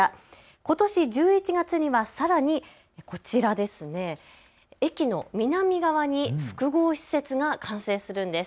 ことし１１月にはさらにこちら駅の南側に複合施設が完成するんです。